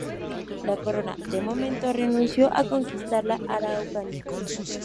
La corona, de momento, renunció a conquistar la Araucanía.